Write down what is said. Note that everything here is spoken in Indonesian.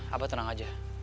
ibu tenang saja